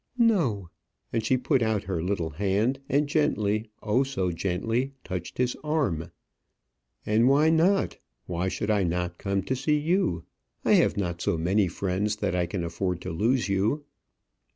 "No;" and she put out her little hand, and gently oh! so gently touched his arm. "And why not? Why should I not come to see you? I have not so many friends that I can afford to lose you."